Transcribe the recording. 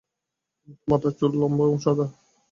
মাথার চুল লম্বা এবং সাদা।